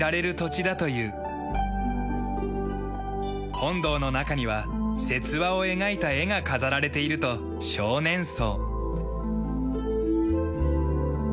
本堂の中には説話を描いた絵が飾られていると少年僧。